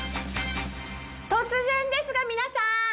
突然ですが皆さん！